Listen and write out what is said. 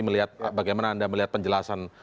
melihat bagaimana anda melihat penjelasan